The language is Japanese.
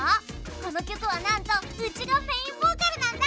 この曲はなんとウチがメインボーカルなんだ！